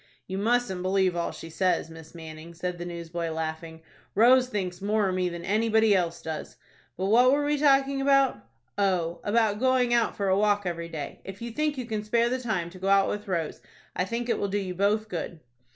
"You mustn't believe all she says, Miss Manning," said the newsboy, laughing. "Rose thinks more of me than anybody else does. But what were we talking about? Oh, about going out for a walk every day. If you think you can spare the time to go out with Rose, I think it will do you both good."